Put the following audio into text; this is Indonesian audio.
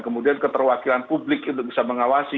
kemudian keterwakilan publik untuk bisa mengawasi